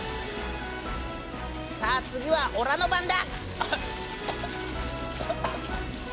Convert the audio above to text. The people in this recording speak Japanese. さあ次はオラの番だ！